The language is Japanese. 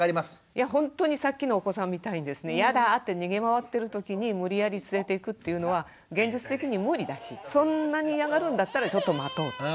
いやほんとにさっきのお子さんみたいにやだって逃げ回ってるときに無理やり連れていくっていうのは現実的に無理だしそんなに嫌がるんだったらちょっと待とうと。